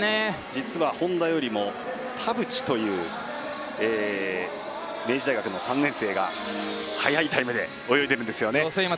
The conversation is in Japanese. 実は本田よりも谷口という明治大学の３年生が早いタイムで泳いでるんですよね。